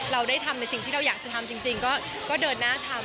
เราได้ทำในสิ่งที่เราอยากจะทำจริงก็เดินหน้าทำ